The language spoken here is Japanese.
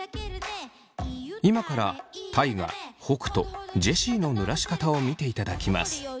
今から大我北斗ジェシーのぬらし方を見ていただきます。